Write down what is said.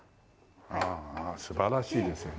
ああ素晴らしいですよね。